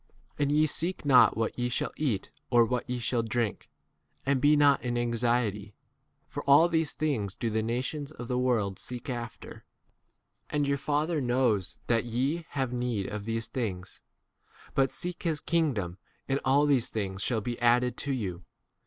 And ye, seek not what ye shall eat or what ye shall drink, 30 and be not in anxiety; for all these things do the nations of the world seek after, and your Father knows that ye have need of these 31 things ; but seek his kingdom, and all these things shall be added to 32 you.